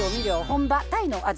本場タイの味